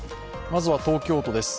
まずは東京都です。